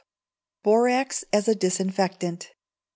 Borax as a Disinfectant.